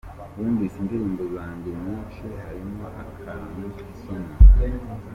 Wumvise indirimbo zanjye nyinshi harimo akantu k’isomo.